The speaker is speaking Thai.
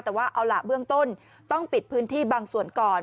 แต่ว่าเอาล่ะเบื้องต้นต้องปิดพื้นที่บางส่วนก่อน